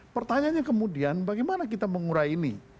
pertanyaannya kemudian bagaimana kita mengurai ini